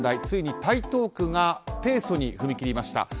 ついに台東区が提訴に踏み切りました。